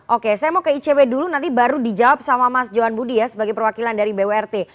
oke saya mau ke icw dulu nanti baru dijawab sama mas johan budi ya sebagai perwakilan dari burt